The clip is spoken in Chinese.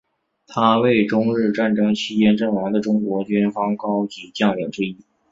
他为中日战争期间阵亡的中国军方高级将领之一。